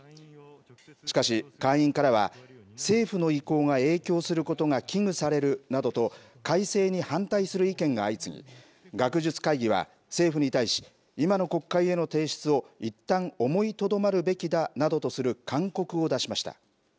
しかし、会員からは政府の意向が影響することが危惧されるなどと改正に反対する意見が相次ぎ学術会議は政府に対し今の国会への提出をいったん思いとどまるべきだなどとする勧告を出しました。